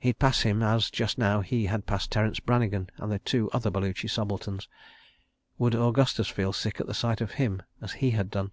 He'd pass him as, just now, he had passed Terence Brannigan and the two other Baluchi subalterns. Would Augustus feel sick at the sight of him, as he had done?